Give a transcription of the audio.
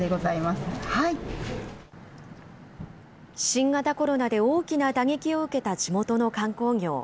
新型コロナで大きな打撃を受けた地元の観光業。